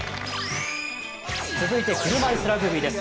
続いて車いすラグビーです。